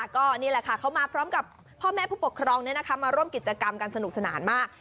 ก็นี่แหละค่ะเขามาพร้อมกับพ่อแม่ผู้ปกครองมาร่วมกิจกรรมกันสนุกสนานมาก